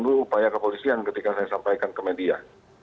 dan dulu upaya ke posisian ketika saya sampaikan ke media